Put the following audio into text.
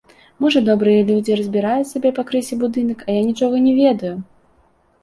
Можа, добрыя людзі разбіраюць сабе пакрысе будынак, а я нічога і не ведаю!